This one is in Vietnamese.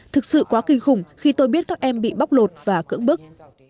thực sự quá kinh khủng khi tôi biết các em bị bóc lột và cưỡng bức